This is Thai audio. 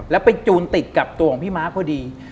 แล้วไปจูนติดกับตัวของพี่มาร์คเท่าดี